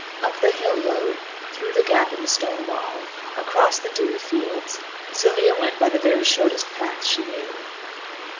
Up the hill road, through the gap in the stone wall, across the dewy fields, Sylvia went by the very shortest path she knew.